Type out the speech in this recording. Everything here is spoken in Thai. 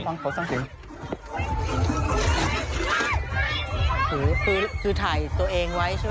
คือถ่ายตัวเองไว้ใช่ไหมพอดีด้วย